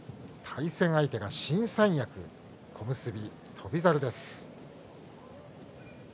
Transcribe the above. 対戦は新三役の小結翔猿です。